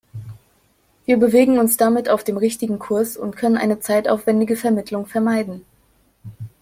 Wir bewegen uns damit auf dem richtigen Kurs und können eine zeitaufwändige Vermittlung vermeiden.